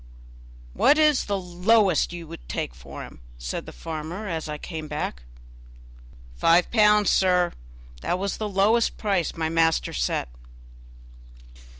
"What is the lowest you will take for him?" said the farmer as I came back. "Five pounds, sir; that was the lowest price my master set."